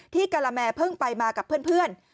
กะละแมเพิ่งไปมากับเพื่อน